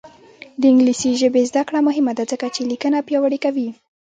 د انګلیسي ژبې زده کړه مهمه ده ځکه چې لیکنه پیاوړې کوي.